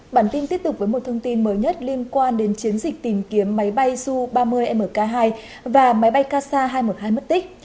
bản tin tiếp tục với một thông tin mới nhất liên quan đến chiến dịch tìm kiếm máy bay su ba mươi mk hai và máy bay kasa hai trăm một mươi hai mất tích